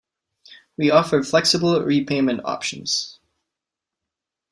We offer flexible repayment options.